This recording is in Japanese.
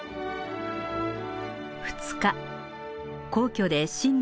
２日皇居で新年